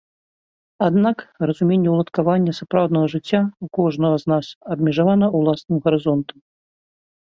Аднак разуменне ўладкавання сапраўднага жыцця ў кожнага з нас абмежавана ўласным гарызонтам.